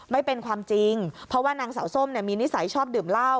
ไม่เป็นความจริงเพราะว่านางสาวส้มเนี่ยมีนิสัยชอบดื่มเหล้า